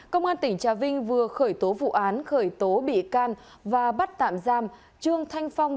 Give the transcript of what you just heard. công an tỉnh trà vinh vừa khởi tố vụ án khởi tố bị can và bắt tạm giam trương thanh phong